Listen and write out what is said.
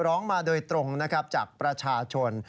ร้องมาโดยตรงจากประชาชน